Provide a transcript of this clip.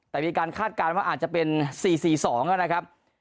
แต่มีการคาดการณ์ว่าอาจจะเป็นสี่สี่สองแล้วนะครับ